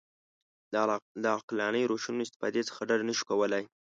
د عقلاني روشونو استفادې څخه ډډه نه شو کولای.